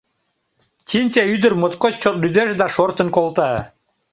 Чинче ӱдыр моткоч чот лӱдеш да шортын колта.